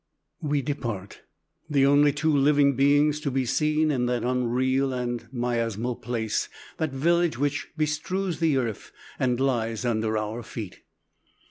We depart the only two living beings to be seen in that unreal and miasmal place, that village which bestrews the earth and lies under our feet.